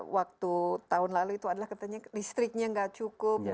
waktu tahun lalu itu adalah katanya listriknya nggak cukup